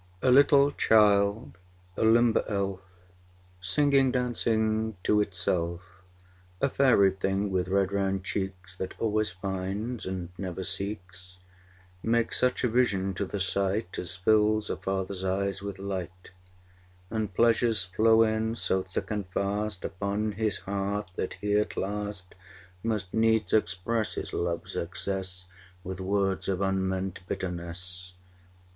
655 1800. THE CONCLUSION TO PART II A little child, a limber elf, Singing, dancing to itself, A fairy thing with red round cheeks, That always finds, and never seeks, Makes such a vision to the sight 660 As fills a father's eyes with light; And pleasures flow in so thick and fast Upon his heart, that he at last Must needs express his love's excess With words of unmeant bitterness.